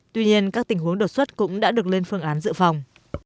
tuy nhiên các tình huống đột xuất cũng đã được lên phương án dự phòng